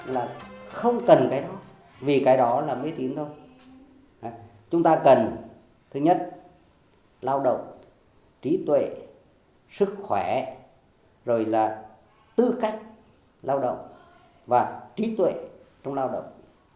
lao động trí tuệ sức khỏe rồi là tư cách lao động và trí tuệ trong lao động